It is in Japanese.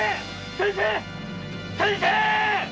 先生‼